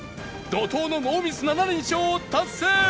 怒濤のノーミス７連勝達成！